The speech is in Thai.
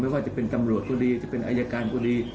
ว่าจะเป็นตำรวจก็ดีจะเป็นอายการก็ดี